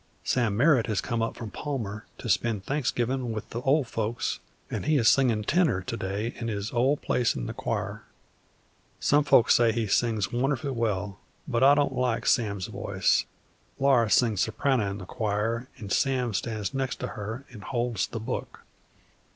Sam Merritt has come up from Palmer to spend Thanksgivin' with the ol' folks, an' he is singin' tenor to day in his ol' place in the choir. Some folks say he sings wonderful well, but I don't like Sam's voice. Laura sings soprano in the choir, and Sam stands next to her an' holds the book.